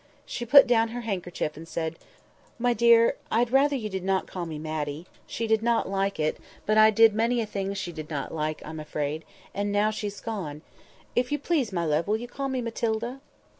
She put down her handkerchief and said— "My dear, I'd rather you did not call me Matty. She did not like it; but I did many a thing she did not like, I'm afraid—and now she's gone! If you please, my love, will you call me Matilda?"